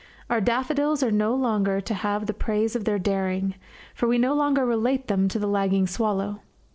Our daffodils are no longer to have the praise of their daring, for we no longer relate them to the lagging swallow.